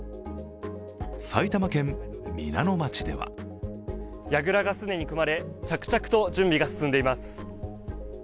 埼玉県皆野町ではやぐらが既に組まれ、着々と準備が進んでいます。